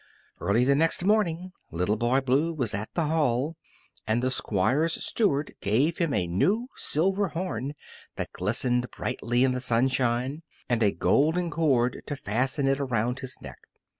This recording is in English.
Early the next morning Little Boy Blue was at the Hall, and the Squire's steward gave him a new silver horn, that glistened brightly in the sunshine, and a golden cord to fasten it around his neck.